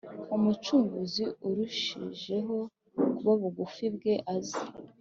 Umucunguzi urushijeho kuba bugufi bwe aze